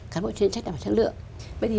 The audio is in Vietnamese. cán bộ chuyên trách đảm bảo chất lượng